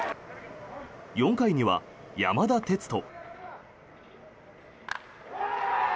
４回には山田哲人。